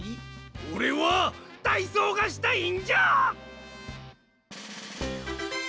おれはたいそうがしたいんじゃ！